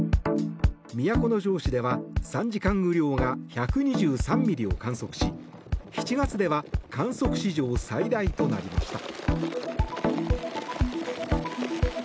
都城市では３時間雨量が１２３ミリを観測し７月では観測史上最大となりました。